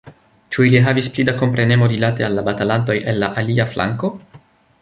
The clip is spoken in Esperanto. Ĉu ili havis pli da komprenemo rilate al la batalantoj el la alia flanko?